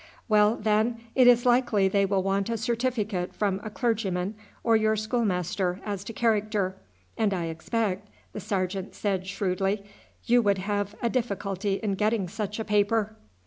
"Well, then, it is likely they will want a certificate from a clergyman or your schoolmaster as to character; and I expect," the sergeant said shrewdly, "you would have a difficulty in getting such a paper."